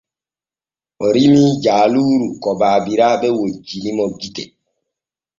O rimii jaaluuru ko baabiraaɓe wojjini mo gite.